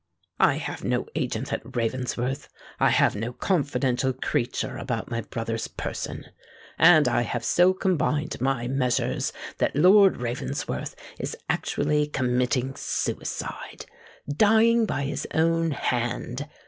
"I have no agent at Ravensworth;—I have no confidential creature about my brother's person;—and I have so combined my measures that Lord Ravensworth is actually committing suicide—dying by his own hand!